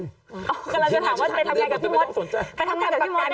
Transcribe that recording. กำลังจะถามว่าจะเป็นยังไงกับพี่หมด